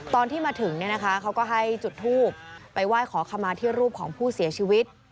ตอนที่มาถึงเนี่ยนะคะเขาก็ให้จุดทูบไปไหว้ขอขมาที่รูปของผู้เสียชีวิต